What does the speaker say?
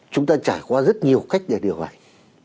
chúng ta trải qua rất nhiều cách để điều hành